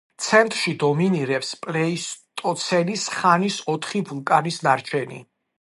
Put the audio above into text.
ცენტრში დომინირებს პლეისტოცენის ხანის ოთხი ვულკანის ნარჩენი.